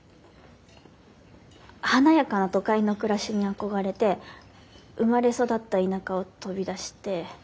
華やかな都会の暮らしに憧れて生まれ育った田舎を飛び出して。